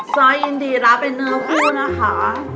ซ้อยินดีรับเป็นเนื้อผู้นะคะ